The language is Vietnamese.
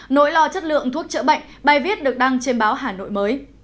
nỗi lo chất lượng thuốc chữa bệnh bài viết được đăng trên báo hà nội mới